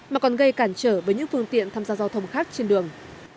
mà còn gây cản trở với những phương tiện tham gia giao thông khác trên đường